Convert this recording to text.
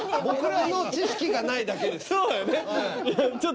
僕らの知識がないだけです